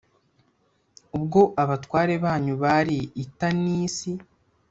ubwo abatware banyu bari i Tanisi,